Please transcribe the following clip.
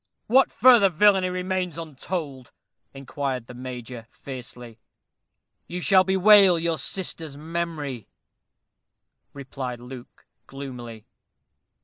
"What further villainy remains untold?" inquired the Major, fiercely. "You shall bewail your sister's memory," replied Luke, gloomily.